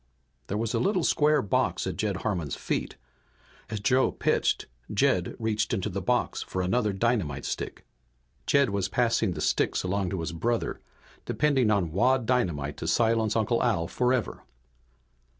There was a little square box at Jed Harmon's feet. As Joe pitched Jed reached into the box for another dynamite stick. Jed was passing the sticks along to his brother, depending on wad dynamite to silence Uncle Al forever.